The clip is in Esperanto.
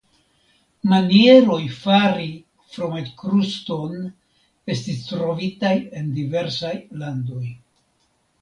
Manieroj fari fromaĝkruston estis trovitaj en diversaj landoj.